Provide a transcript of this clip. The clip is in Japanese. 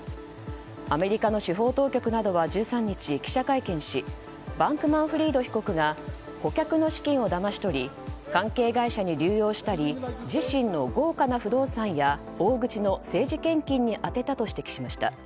アメリカの司法当局などは１３日、記者会見しバンクマンフリード被告が顧客の資金をだまし取り関係会社に流用したり自身の豪華な不動産や大口の政治献金に充てたと指摘しました。